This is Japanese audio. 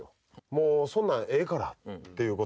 もうそんなんええからっていうこと。